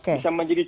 bisa menjadi coba